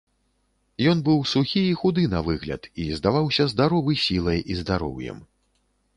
Ён быў сухі і худы на выгляд і здаваўся здаровы сілай і здароўем.